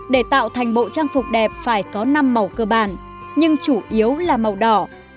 để tạo thành bộ trang phục đẹp phải có năm màu cơ bản nhưng chủ yếu là màu đỏ